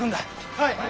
はい！